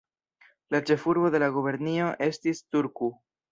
La ĉefurbo de la gubernio estis Turku.